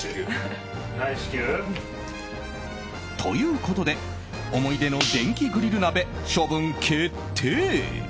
ということで思い出の電気グリル鍋、処分決定。